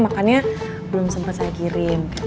makanya belum sempat saya kirim